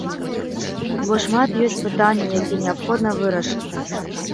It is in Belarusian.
Бо шмат ёсць пытанняў, якія неабходна вырашыць.